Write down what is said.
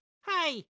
はい。